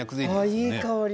いい香り。